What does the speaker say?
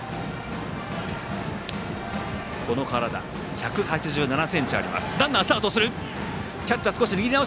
１７８ｃｍあります。